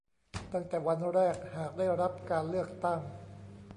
ตั้งแต่วันแรกหากได้รับการเลือกตั้ง